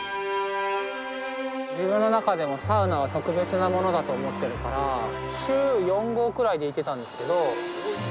自分の中でもサウナは特別なものだと思ってるから週４５くらいで行ってたんですけど。